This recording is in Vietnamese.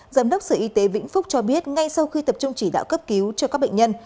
giám đốc sở y tế vĩnh phúc cho biết ngay sau khi tập trung chỉ đạo cấp cứu cho các bệnh nhân